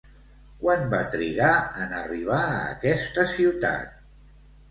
Quant va trigar en arribar a aquesta ciutat?